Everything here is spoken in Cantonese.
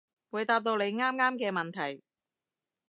會答到你啱啱嘅問題